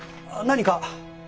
何か？